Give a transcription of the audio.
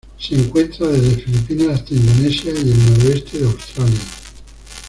Se encuentra desde Filipinas hasta Indonesia y el noroeste de Australia.